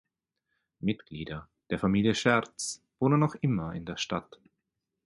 Mitglieder der Familie Schertz wohnen noch immer in der Stadt.